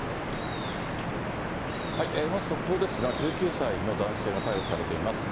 まず速報ですが、１９歳の男性が逮捕されています。